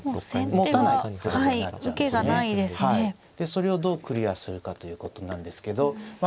それをどうクリアするかということなんですけどま